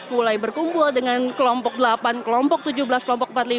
mulai berkumpul dengan kelompok delapan kelompok tujuh belas kelompok empat puluh lima